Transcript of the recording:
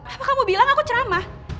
apa kamu bilang aku ceramah